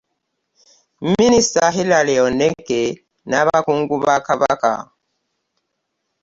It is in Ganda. Minisita Hillary Onek n'abakungu ba Kabaka